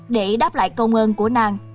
để đáp lại công ơn của nàng